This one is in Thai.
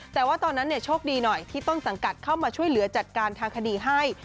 แต่ว่าตอนนั้นโชคดีหน่อยที่ต้นสังกัดเข้ามาช่วยเหลือจัดการทางคดีให้